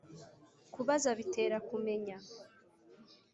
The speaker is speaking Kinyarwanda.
kubaza bitera kumenya